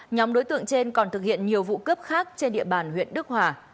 nhóm đối tượng trên còn thực hiện nhiều vụ cướp khác trên địa bàn huyện đức hòa